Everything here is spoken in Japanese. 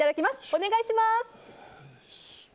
お願いします。